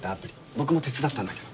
僕も手伝ったんだけど。